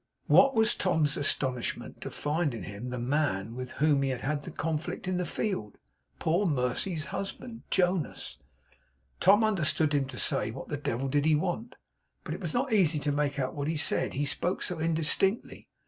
What was Tom's astonishment to find in him the man with whom he had had the conflict in the field poor Mercy's husband. Jonas! Tom understood him to say, what the devil did he want; but it was not easy to make out what he said; he spoke so indistinctly.